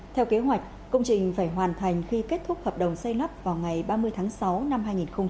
theo kế hoạch công trình phải hoàn thành khi kết thúc hợp đồng xây lắp vào ngày ba mươi tháng sáu năm hai nghìn hai mươi